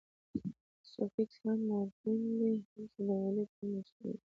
سوفیکس هغه مورفیم دئ، چي د ولي پوري مښتي يي.